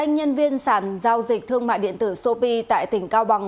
nhiên viên sản giao dịch thương mại điện tử sopi tại tỉnh cao bằng